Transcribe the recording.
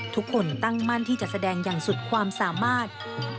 ทุกคนตั้งมั่นที่จะแสดงอย่างสุดความสามารถ